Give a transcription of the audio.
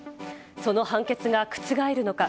その判決が覆るのか。